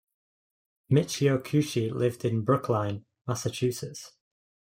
Michio Kushi lived in Brookline, Massachusetts.